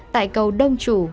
tại cầu đông chủ